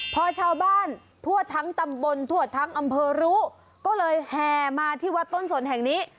พอชาวบ้านทั่วทั้งตำบลทั่วทั้งอำเภอรู้ก็เลยแห่มาที่วัดต้นสนแห่งนี้